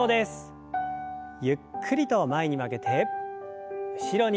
ゆっくりと前に曲げて後ろに。